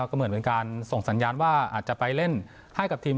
ก็เหมือนเป็นการส่งสัญญาณว่าอาจจะไปเล่นให้กับทีม